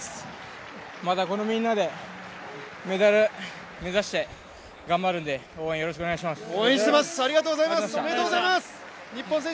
またこのみんなでメダルを目指して頑張るので応援、よろしくお願いします。